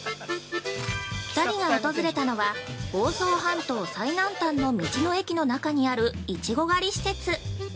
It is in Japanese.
◆２人が訪れたのは、房総半島最南端の道の駅の中にあるいちご狩り施設。